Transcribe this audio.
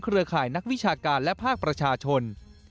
ร่ายนักวิชาการและภาคประชาชน